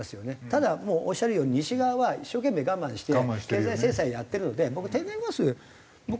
ただもうおっしゃるように西側は一生懸命我慢して経済制裁やってるので僕天然ガス僕